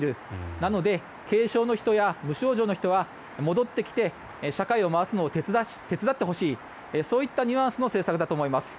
なので、軽症の人や無症状の人は戻ってきて社会を回すのを手伝ってほしいそういったニュアンスの政策だと思います。